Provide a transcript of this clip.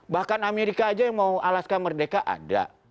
bahkan amerika aja yang mau alaskan merdeka ada